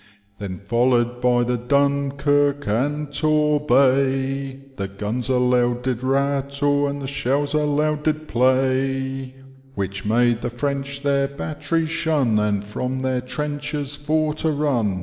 Then followed by the Dunkirk and Torhny, Tiie g^ns aloud did rattle, and the shells aloud did play, \Vhich made the French their batteries shun, And from their trenches for to run.